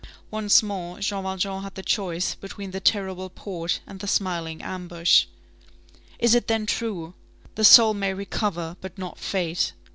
Once more, Jean Valjean had the choice between the terrible port and the smiling ambush. Is it then true? the soul may recover; but not fate.